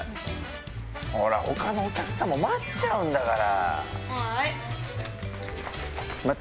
ほら、ほかのお客さんも待っちゃうんだから。